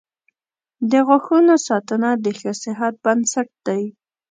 • د غاښونو ساتنه د ښه صحت بنسټ دی.